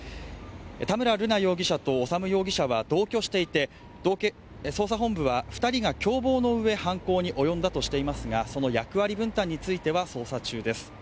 田村瑠奈容疑者と修容疑者は同居していて、捜査本部は２人が共謀のうえ犯行に及んだとみていますがその役割分担については捜査中です。